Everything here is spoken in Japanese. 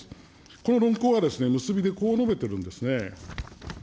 この論考は結びでこう述べているんですね。